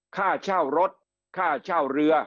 ค่าเช่ารถค่าเช่าเรือ